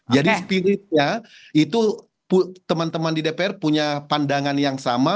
jadi spiritnya itu teman teman di dpr punya pandangan yang sama